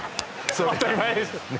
当たり前ですよ